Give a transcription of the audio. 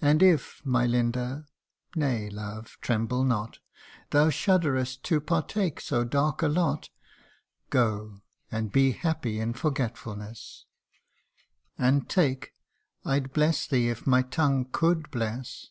And if, my Linda nay, love, tremble not Thou shudder'st to partake so dark a lot Go and be happy in forgetfulness, And take Fd bless thee if my tongue could bless."